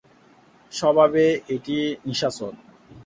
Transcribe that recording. স্বভাবে এটি নিশাচর।